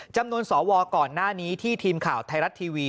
จำนวนสวก่อนหน้านี้ที่ทีมข่าวไทยรัฐทีวี